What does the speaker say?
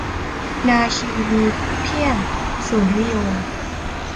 นาคีมีพิษเพี้ยง สุริโย